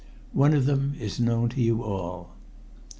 One of them is known to you all.